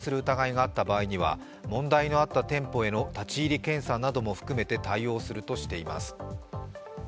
聞き取りの結果、道路運送車両法に違反する疑いがあった場合には問題のあった店舗への立ち入り検査なども含めて対応するとしています。